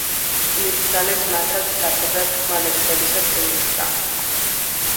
მიბრძანეს მათად საქებრად თქმა ლექსებისა ტკბილისა